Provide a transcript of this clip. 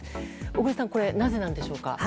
小栗さんこれはなぜなんでしょうか。